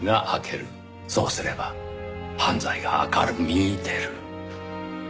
そうすれば犯罪が明るみに出る。